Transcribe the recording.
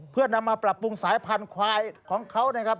เพื่อนำมาปรับปรุงสายพันธุควายของเขานะครับ